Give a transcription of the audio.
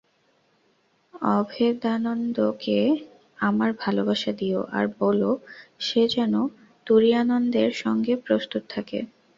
অভেদানন্দকে আমার ভালবাসা দিও, আর বল সে যেন তুরীয়ানন্দের জন্য প্রস্তত থাকে।